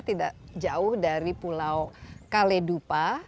tidak jauh dari pulau kaledupa